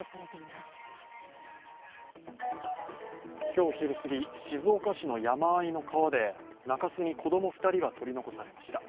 今日昼すぎ、静岡市の山あいの川で中州に子供２人が取り残されました